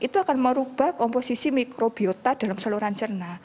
itu akan merubah komposisi mikrobiota dalam seluruhan cerna